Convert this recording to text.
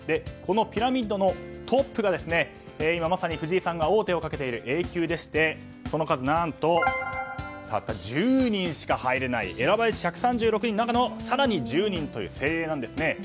このピラミッドのトップが今、まさに藤井さんが王手をかけているＡ級でしてその数何とたった１０人しか入れない選ばれし１３６人の中の更に１０人という精鋭なんですね。